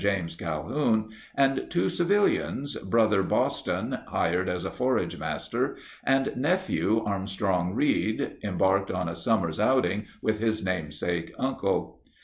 James Calhoun, and two civilians, brother Boston (hired as a forage master) and nephew Armstrong Reed (embarked on a summer's outing with his namesake uncle).